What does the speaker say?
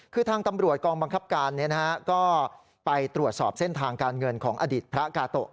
คือทางตำรวจกองบังคับการก็ไปตรวจสอบเส้นทางการเงินของอดีตพระกาโตะ